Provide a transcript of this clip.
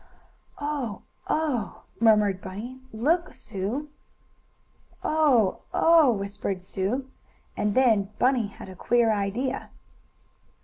"Oh! oh!" murmured Bunny. "Look, Sue." "Oh! oh!" whispered Sue. And then Bunny had a queer idea.